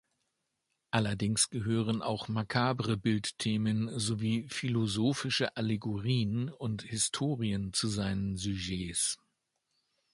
Allerdings gehören auch makabre Bildthemen sowie philosophische Allegorien und Historien zu seinen Sujets.